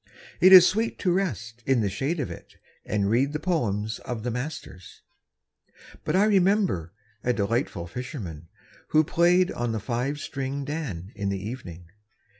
It is sweet to rest in the shade of it And read the poems of the masters. But I remember a delightful fisherman Who played on the five stringed dan in the evening.